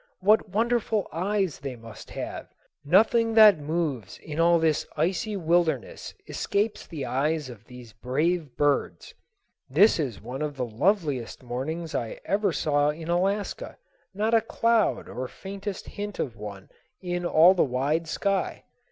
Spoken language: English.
What wonderful eyes they must have! Nothing that moves in all this icy wilderness escapes the eyes of these brave birds. This is one of the loveliest mornings I ever saw in Alaska; not a cloud or faintest hint of one in all the wide sky.